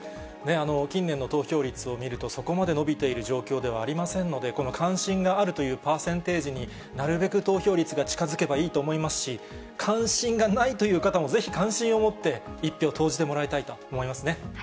近年の投票率を見ると、そこまで伸びている状況ではありませんので、この関心があるというパーセンテージに、なるべく投票率が近づけばいいと思いますし、関心がないという方も、ぜひ関心を持って、１票を投じてもらいたいと思いますね。